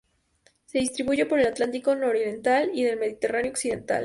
Se distribuye por el Atlántico nororiental y el Mediterráneo occidental.